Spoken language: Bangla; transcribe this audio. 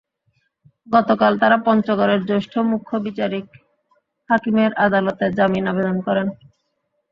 গতকাল তাঁরা পঞ্চগড়ের জ্যেষ্ঠ মুখ্য বিচারিক হাকিমের আদালতে জামিন আবেদন করেন।